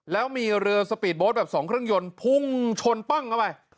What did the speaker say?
แล้วมีเรือสปีดโบ๊ทแบบสองเครื่องยนต์พุ่งชนปั้งเข้าไป